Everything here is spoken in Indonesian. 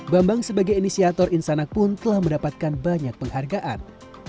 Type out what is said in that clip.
bambang sebagai inisiator insanak pun telah mendapatkan banyak penghargaan